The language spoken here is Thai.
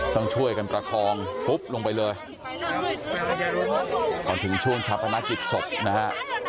ต้องช่วยกันประคองลงไปเลยก่อนถึงช่วงชัพพนาคิดศพนะฮะ